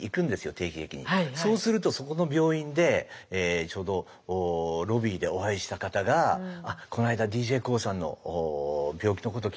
そうするとそこの病院でちょうどロビーでお会いした方がこの間ＤＪＫＯＯさんの病気のこと聞きました。